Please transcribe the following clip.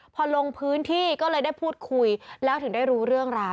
พอลงพื้นที่ก็เลยได้พูดคุยแล้วถึงได้รู้เรื่องราว